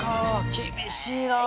厳しいな。